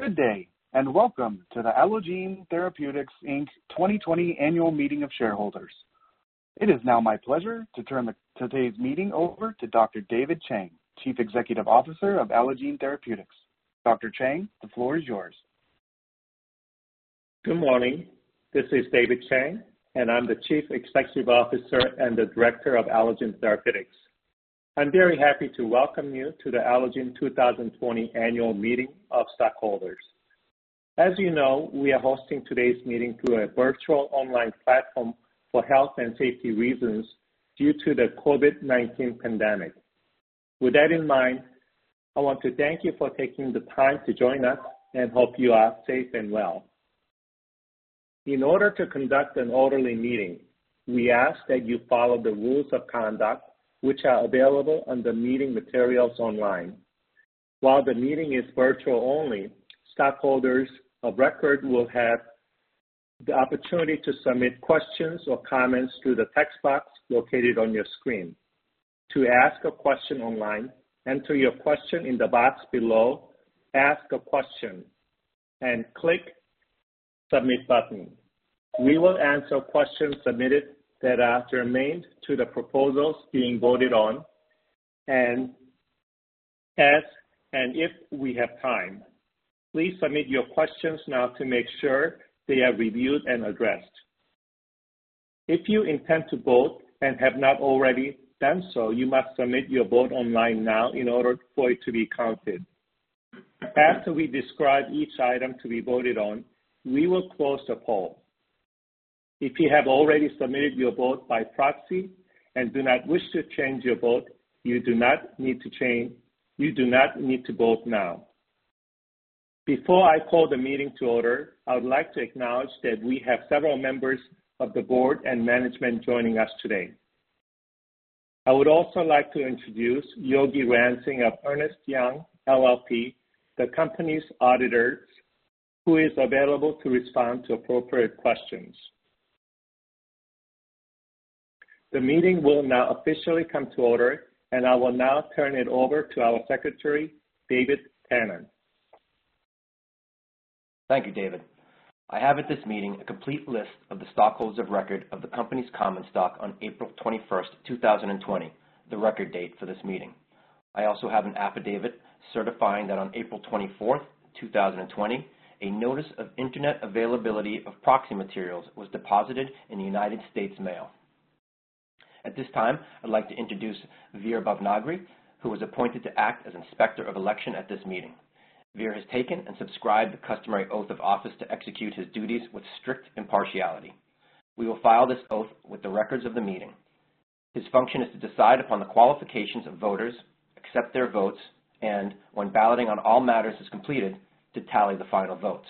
Good day, and welcome to the Allogene Therapeutics 2020 Annual Meeting of Shareholders. It is now my pleasure to turn today's meeting over to Dr. David Chang, Chief Executive Officer of Allogene Therapeutics. Dr. Chang, the floor is yours. Good morning. This is David Chang, and I'm the Chief Executive Officer and the Director of Allogene Therapeutics. I'm very happy to welcome you to the Allogene 2020 Annual Meeting of Stockholders. As you know, we are hosting today's meeting through a virtual online platform for health and safety reasons due to the COVID-19 pandemic. With that in mind, I want to thank you for taking the time to join us and hope you are safe and well. In order to conduct an orderly meeting, we ask that you follow the rules of conduct which are available on the meeting materials online. While the meeting is virtual only, stakeholders of record will have the opportunity to submit questions or comments through the text box located on your screen. To ask a question online, enter your question in the box below "Ask a Question" and click the "Submit" button. We will answer questions submitted that are germane to the proposals being voted on and ask if we have time. Please submit your questions now to make sure they are reviewed and addressed. If you intend to vote and have not already done so, you must submit your vote online now in order for it to be counted. After we describe each item to be voted on, we will close the poll. If you have already submitted your vote by proxy and do not wish to change your vote, you do not need to change; you do not need to vote now. Before I call the meeting to order, I would like to acknowledge that we have several members of the board and management joining us today. I would also like to introduce Yogi Ransing of Ernst & Young LLP, the company's auditor, who is available to respond to appropriate questions. The meeting will now officially come to order, and I will now turn it over to our Secretary, David Tanen. Thank you, David. I have at this meeting a complete list of the stockholders of record of the company's common stock on April 21, 2020, the record date for this meeting. I also have an affidavit certifying that on April 24, 2020, a notice of internet availability of proxy materials was deposited in the United States mail. At this time, I'd like to introduce Veer Bhanagri, who was appointed to act as Inspector of Election at this meeting. Veer has taken and subscribed the customary oath of office to execute his duties with strict impartiality. We will file this oath with the records of the meeting. His function is to decide upon the qualifications of voters, accept their votes, and, when balloting on all matters is completed, to tally the final votes.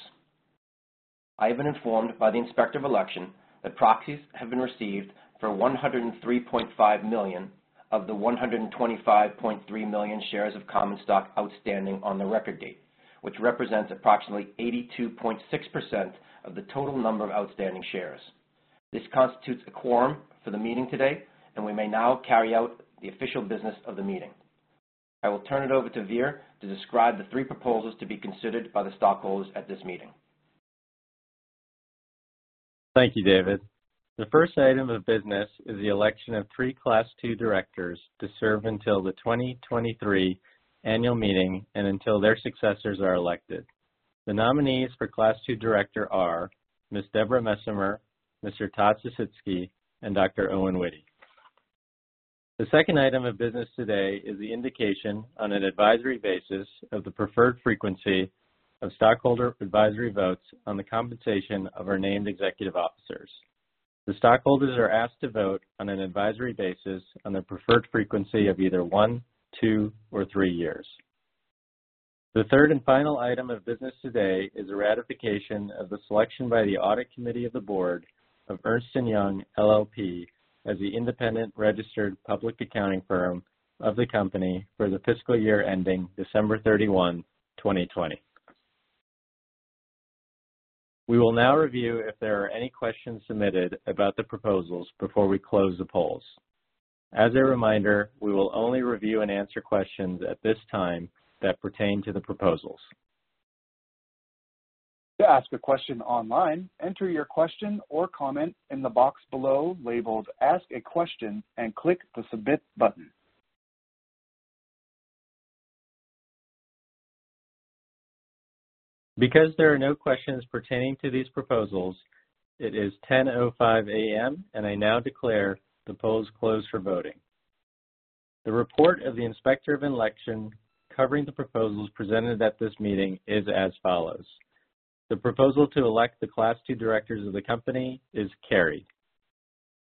I have been informed by the Inspector of Election that proxies have been received for 103.5 million of the 125.3 million shares of common stock outstanding on the record date, which represents approximately 82.6% of the total number of outstanding shares. This constitutes a quorum for the meeting today, and we may now carry out the official business of the meeting. I will turn it over to Veer to describe the three proposals to be considered by the stockholders at this meeting. Thank you, David. The first item of business is the election of three class 2 directors to serve until the 2023 Annual Meeting and until their successors are elected. The nominees for class 2 director are Ms. Deborah Messemer, Mr. Todd Sisitsky, and Dr. Owen Witte. The second item of business today is the indication on an advisory basis of the preferred frequency of stockholder advisory votes on the compensation of our named executive officers. The stockholders are asked to vote on an advisory basis on the preferred frequency of either one, two, or three years. The third and final item of business today is the ratification of the selection by the Audit Committee of the Board of Ernst & Young LLP as the independent registered public accounting firm of the company for the fiscal year ending December 31, 2020. We will now review if there are any questions submitted about the proposals before we close the polls. As a reminder, we will only review and answer questions at this time that pertain to the proposals. To ask a question online, enter your question or comment in the box below labeled "Ask a Question" and click the "Submit" button. Because there are no questions pertaining to these proposals, it is 10:05 A.M., and I now declare the polls closed for voting. The report of the Inspector of Election covering the proposals presented at this meeting is as follows. The proposal to elect the class 2 directors of the company is carried.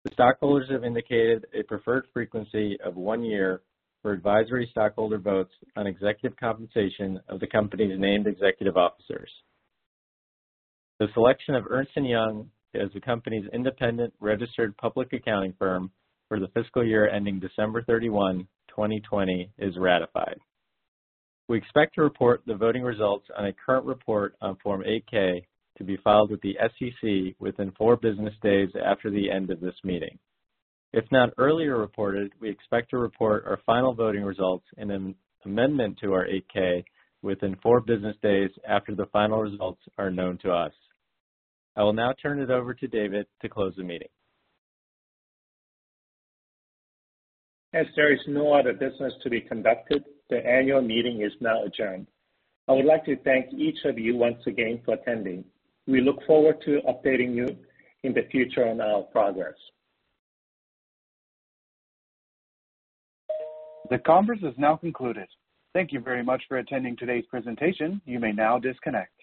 The stockholders have indicated a preferred frequency of one year for advisory stockholder votes on executive compensation of the company's named executive officers. The selection of Ernst & Young as the company's independent registered public accounting firm for the fiscal year ending December 31, 2020, is ratified. We expect to report the voting results on a current report on Form 8-K to be filed with the SEC within four business days after the end of this meeting. If not earlier reported, we expect to report our final voting results in an amendment to our 8-K within four business days after the final results are known to us. I will now turn it over to David to close the meeting. As there is no other business to be conducted, the annual meeting is now adjourned. I would like to thank each of you once again for attending. We look forward to updating you in the future on our progress. The conference is now concluded. Thank you very much for attending today's presentation. You may now disconnect.